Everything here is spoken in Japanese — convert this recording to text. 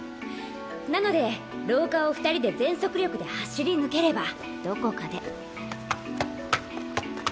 なので廊下を二人で全速力で走り抜ければどこかで。